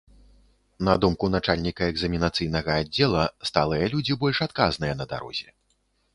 На думку начальніка экзаменацыйнага аддзела, сталыя людзі больш адказныя на дарозе.